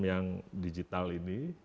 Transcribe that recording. yang digital ini